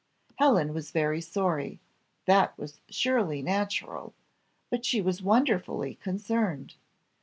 Helen was very sorry that was surely natural; but she was wonderfully concerned.